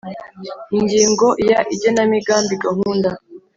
Ingingo ya igenamigambi gahunda